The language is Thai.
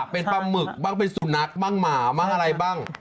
เป็นปลาหมึกบ้างเป็นสุนัขบ้างหมาบ้างอะไรบ้าง